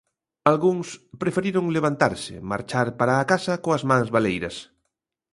Algúns preferiron levantarse, marchar para a casa coas mans baleiras.